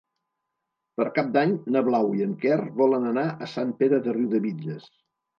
Per Cap d'Any na Blau i en Quer volen anar a Sant Pere de Riudebitlles.